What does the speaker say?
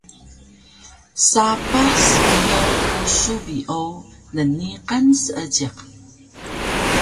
Sapah sbiyaw pusu bi o nniqun seejiq